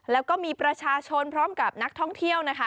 แล้วก็มีประชาชนพร้อมกับนักท่องเที่ยวนะคะ